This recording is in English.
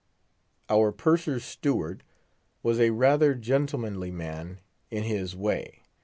Our Purser's steward was a rather gentlemanly man in his way.